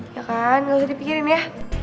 ya kan nggak usah dipikirin ya